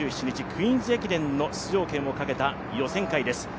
クイーンズ駅伝の出場権をかけた予選会です。